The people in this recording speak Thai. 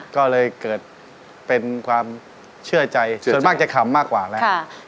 ก็เลยเกิดเป็นความเชื่อใจส่วนมากจะขำมากกว่าแล้ว